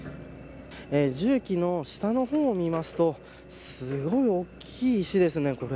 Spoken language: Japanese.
重機の下の方を見ますとすごい大きい石ですね。